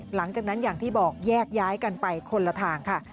หลังจากนั้นอย่างที่บอกแยกย้ายกันไปคนละทางค่ะ